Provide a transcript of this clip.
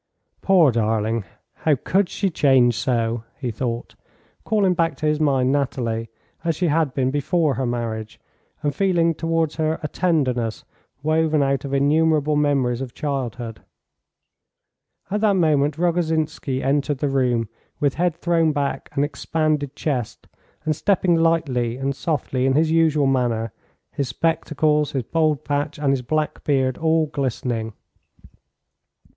"Poor darling; how could she change so?" he thought, calling back to his mind Nathalie as she had been before her marriage, and feeling towards her a tenderness woven out of innumerable memories of childhood. At that moment Rogozhinsky entered the room, with head thrown back and expanded chest, and stepping lightly and softly in his usual manner, his spectacles, his bald patch, and his black beard all glistening.